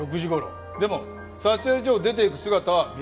でも撮影所を出ていく姿は見られていない。